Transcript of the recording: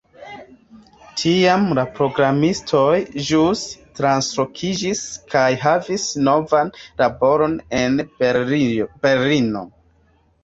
Tiam la programistoj ĵus translokiĝis kaj havis novan laboron en Berlino.